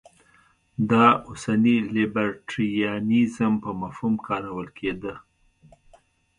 دا اوسني لیبرټریانیزم په مفهوم کارول کېده.